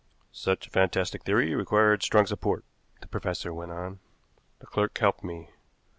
"Such a fantastic theory required strong support," the professor went on. "The clerk helped me.